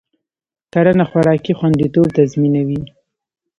کرنه خوراکي خوندیتوب تضمینوي.